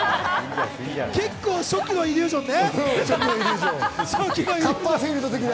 結構初期のイリュージョンね。